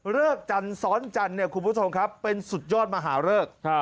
จันทร์ซ้อนจันทร์เนี่ยคุณผู้ชมครับเป็นสุดยอดมหาเริก